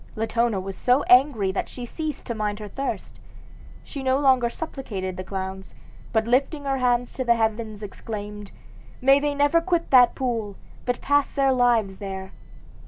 Latona was so angry that she ceased to mind her thirst. She no longer supplicated the clowns, but lifting her hands to heaven exclaimed, 'May they never quit that pool, but pass their lives there!'